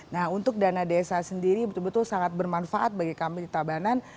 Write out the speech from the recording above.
nah untuk dana desa sendiri betul betul sangat bermanfaat bagi kami di tabanan